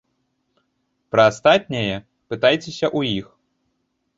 Пра астатняе пытайцеся ў іх!